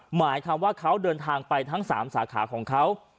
หมายความว่าเขาเดินทางไปทั้ง๓สาขาของเขา